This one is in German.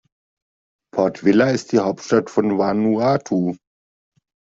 Port Vila ist die Hauptstadt von Vanuatu.